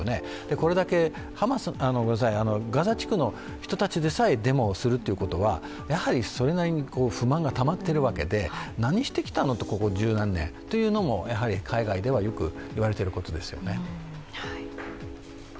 これだけガザ地区の人たちでさえデモをするということは、それなりに不満がたまってきているわけで何してきたのって、ここ十何年っていうのも海外ではよく言われていることですよね。